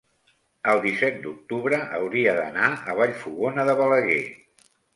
el disset d'octubre hauria d'anar a Vallfogona de Balaguer.